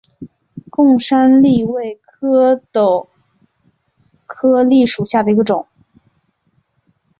贡山栎为壳斗科栎属下的一个种。